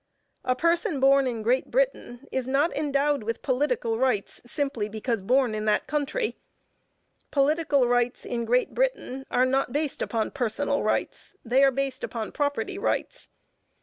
A person born in Great Britain is not endowed with political rights, simply because born in that country. Political rights in Great Britain are not based upon personal rights; they are based upon property rights.